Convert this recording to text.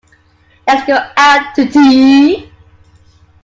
Let's go out to tea.